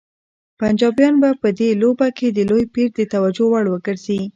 پنجابیان به په دې لوبه کې د لوی پیر د توجه وړ وګرځي.